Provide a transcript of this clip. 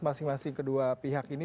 masing masing kedua pihak ini